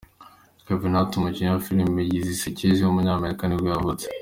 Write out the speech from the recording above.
Kevin Hart, umukinnyi wa filime zisekeje w’umunyamerika nibwo yavutse.